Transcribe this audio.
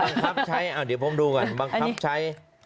บังคับใช้เดี๋ยวผมดูก่อนบังคับใช้